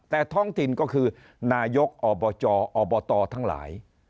แต่ท้องถิ่นก็คือนายกอบจอบตทั้งหลาย